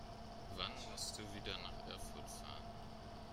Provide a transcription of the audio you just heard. Wann musst du wieder nach Erfurt fahren?